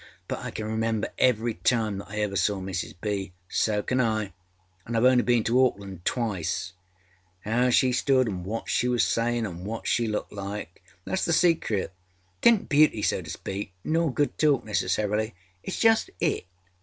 But I can remember every time that I ever saw Mrs. B.â âSo can Iâanâ Iâve only been to Auckland twiceâhow she stood anâ what she was sayinâ anâ what she looked like. Thatâs the secret. âTisnât beauty, so to speak, nor good talk necessarily. Itâs just It.